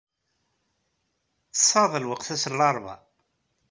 Tesɛiḍ lweqt ass n larebɛa?